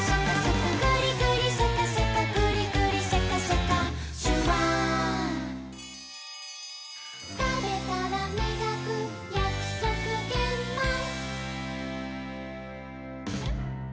「グリグリシャカシャカグリグリシャカシャカ」「シュワー」「たべたらみがくやくそくげんまん」